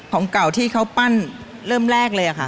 ของเก่าที่เขาปั้นเริ่มแรกเลยค่ะ